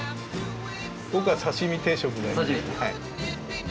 僕は刺身定食で。